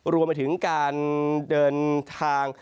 รวมไปถึงการเดินทาง